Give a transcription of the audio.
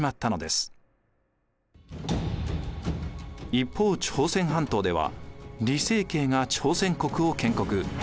一方朝鮮半島では李成桂が朝鮮国を建国。